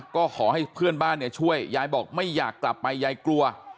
ก็ขอให้เพื่อนบ้านเนี่ยช่วยยายบอกไม่อยากกลับไปยายกลัว